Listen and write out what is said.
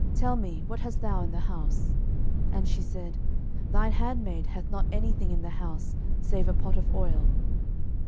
tell me, what hast thou in the house? And she said, Thine handmaid hath not any thing in the house, save a pot of oil.